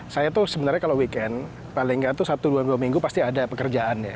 saya tuh sebenarnya kalau weekend paling nggak tuh satu dua minggu pasti ada pekerjaan ya